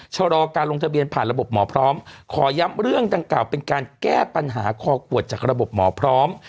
ชะลอการลงทะเบียนผ่านระบบหมอพร้อมขอย้ำเรื่องดังกล่าวเป็นการแก้ปัญหาคอขวดจากระบบหมอพร้อม